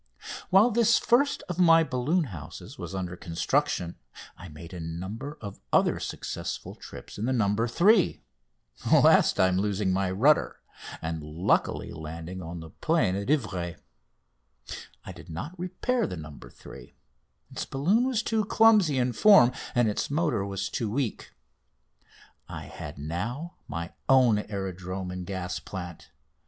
While this first of my balloon houses was under construction, I made a number of other successful trips in the "No. 3," the last time losing my rudder and luckily landing on the plain at Ivry. I did not repair the "No. 3." Its balloon was too clumsy in form and its motor was too weak. I had now my own aerodrome and gas plant.